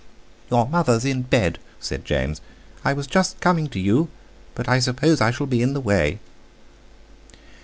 "Your mother's in bed," said James; "I was just coming to you, but I suppose I shall be in the way."